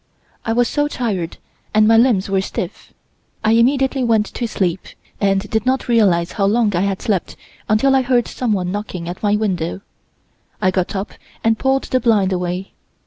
I was so tired and my limbs were stiff. I immediately went to sleep and did not realize how long I had slept until I heard someone knocking at my window. I got up and pulled the blind away.